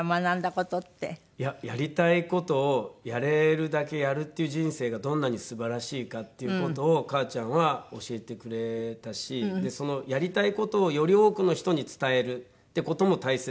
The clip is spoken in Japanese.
やりたい事をやれるだけやるっていう人生がどんなにすばらしいかっていう事を母ちゃんは教えてくれたしそのやりたい事をより多くの人に伝えるって事も大切。